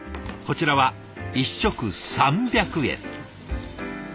こちらは１食３００円。